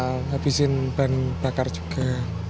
habisin bahan bakar juga